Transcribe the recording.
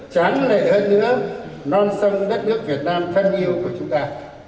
tráng lệ hơn nữa non sông đất nước việt nam thân yêu của chúng ta